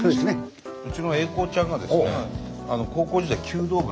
うちの英孝ちゃんがですね高校時代弓道部。